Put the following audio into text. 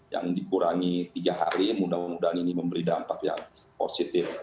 yang dikurangi tiga hari mudah mudahan ini memberi dampak yang positif